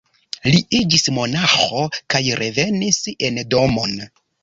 Li iĝis monaĥo kaj revenis en domon.